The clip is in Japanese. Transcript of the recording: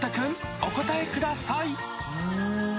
お答えください